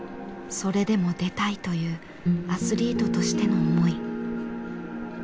それでも出たいというアスリートとしての思い。